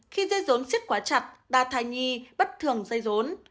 khi dây rốn siết quá chặt đa thai nhi bất thường dây rốn